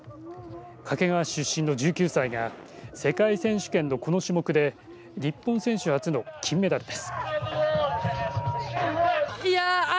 掛川市出身の１９歳が世界選手権のこの種目で日本選手初の金メダルです。